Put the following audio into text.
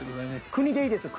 国でいいですよ